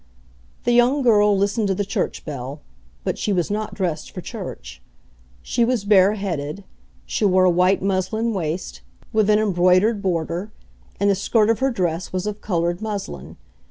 The young girl listened to the church bell; but she was not dressed for church. She was bare headed; she wore a white muslin waist, with an embroidered border, and the skirt of her dress was of colored muslin.